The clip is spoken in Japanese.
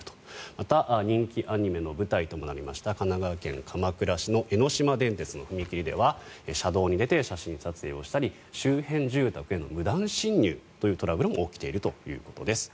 また、人気アニメの舞台ともなりました神奈川県鎌倉市の江ノ島電鉄の踏切では車道に出て写真撮影をしたり周辺住宅への無断侵入というトラブルも起きているということです。